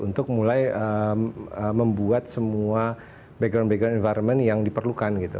untuk mulai membuat semua background background environment yang diperlukan gitu